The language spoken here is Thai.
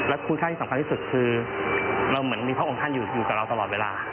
และคู่ชาติที่สำคัญที่สุดคือเราเหมือนมีพระองค์ท่านอยู่กับเราตลอดเวลา